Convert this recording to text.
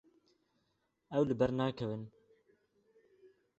Ew li ber nakevin.